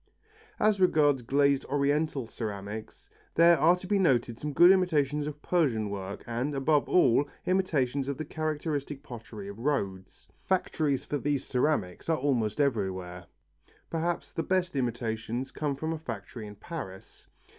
As regards glazed Oriental ceramics, there are to be noted some good imitations of Persian work and, above all, imitations of the characteristic pottery of Rhodes. Factories for these ceramics are almost everywhere. Perhaps the best imitations come from a factory in Paris.